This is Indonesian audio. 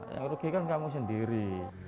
yang rugi kan kamu sendiri